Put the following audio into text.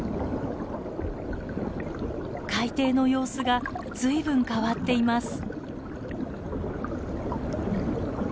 海底の様子がずいぶん変わっています。